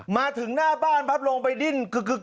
มาถึงหน้าบ้านปั๊บลงไปดิ้น